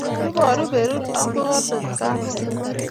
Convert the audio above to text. Iboru berur ak mornot kalwal